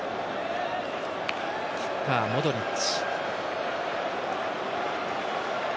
キッカー、モドリッチ。